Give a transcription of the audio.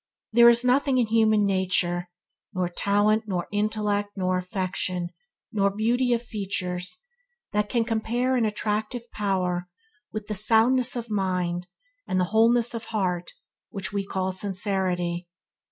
There is nothing in human nature – nor talent, nor intellect, nor affection, nor beauty of features that can compare in attractive power with that soundness of mind and wholeness of heart which we call sincerity.